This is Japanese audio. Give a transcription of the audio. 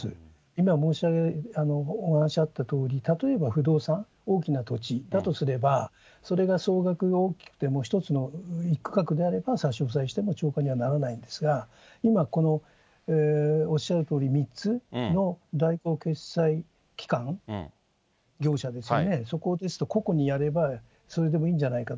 今お話しあったとおり、例えば不動産、大きな土地、だとすれば、それが総額で大きくて、１つの、一区画であれば差し押さえしても超過にはならないんですが、今、おっしゃるとおり３つの代行決済機関、業者ですよね、そこですと、個々にやれば、それでもいいんじゃないか。